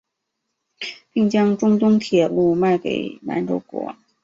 并将中东铁路卖给满洲国。